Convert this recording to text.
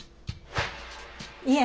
いえ。